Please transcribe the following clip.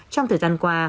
trong thời gian qua